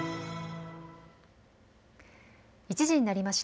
１時になりました。